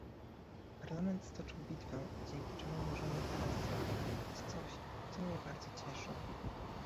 Parlament stoczył bitwę, dzięki czemu możemy teraz zagwarantować coś, co mnie bardzo cieszy